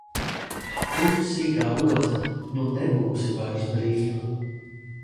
Tu sīkā odze, nu nebūsi vairs brīva!